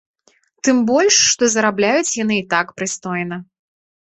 Тым больш, што зарабляюць яны і так прыстойна.